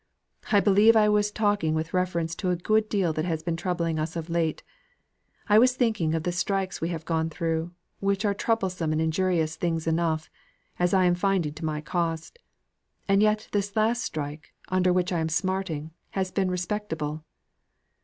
"I believe I was talking with reference to a good deal that has been troubling us of late; I was thinking of the strikes we have gone through, which are troublesome and injurious things enough, as I am finding to my cost. And yet this last strike, under which I am smarting, has been respectable."